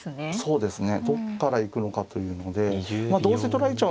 そうですね。